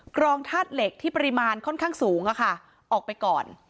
รองธาตุเหล็กที่ปริมาณค่อนข้างสูงออกไปก่อน